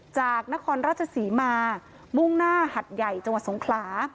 จากนครราชศรีมามุ่งหน้าหัดใหญ่จังหวัดสงขลา